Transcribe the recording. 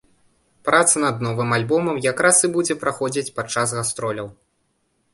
Праца над новым альбомам як раз і будзе праходзіць падчас гастроляў.